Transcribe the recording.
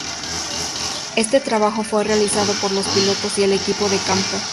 Este trabajo fue realizado por los pilotos y el equipo de campo.